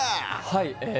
はい。